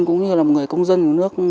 cũng như là một người công dân của nước